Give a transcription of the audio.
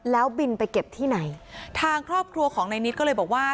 แล้วบินไปเก็บที่ไหนทางครอบครัวของนายนิดก็เลยบอกว่า